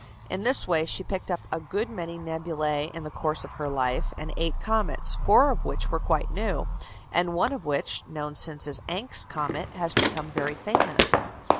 In this way she picked up a good many nebulæ in the course of her life, and eight comets, four of which were quite new, and one of which, known since as Encke's comet, has become very famous.